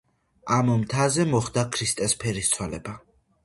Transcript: ამ მთაზე მოხდა ქრისტეს ფერისცვალება.